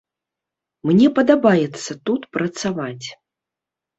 Мне падабаецца тут працаваць.